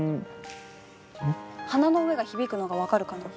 鼻の上が響くのが分かるかな？